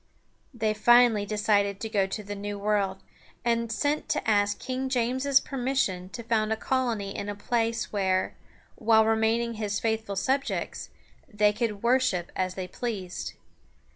They finally decided to go to the New World, and sent to ask King James's permission to found a colony in a place where, while remaining his faithful subjects, they could worship as they pleased.